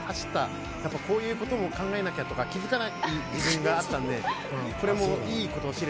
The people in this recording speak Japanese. やっぱこういうことも考えなきゃとか気付かない自分があったんでこれもいいことを知れた曲でありますね。